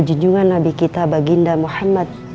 junjungan nabi kita baginda muhammad